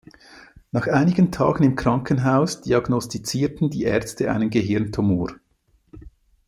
Nach einigen Tagen im Krankenhaus diagnostizierten die Ärzte einen Gehirntumor.